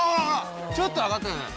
ちょっと上がったよね。